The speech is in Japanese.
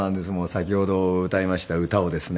先ほど歌いました歌をですね